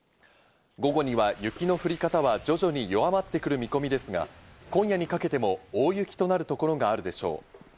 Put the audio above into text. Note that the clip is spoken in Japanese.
午後には雪の降り方は徐々に弱まってくる見込みですが、今夜にかけても大雪となるところがあるでしょう。